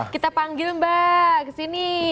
kita panggil mbak kesini